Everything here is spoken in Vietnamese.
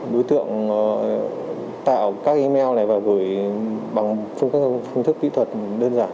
đối tượng tạo các email này và gửi bằng các phương thức kỹ thuật đơn giản